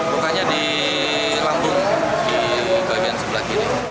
bukannya di lambung di bagian sebelah kiri